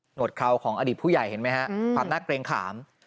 วดเข่าของอดีตผู้ใหญ่เห็นไหมฮะความน่าเกรงขาม